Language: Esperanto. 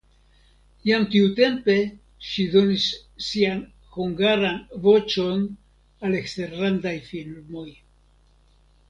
Jam tiutempe ŝi donis sian (hungaran) voĉon al eksterlandaj filmoj.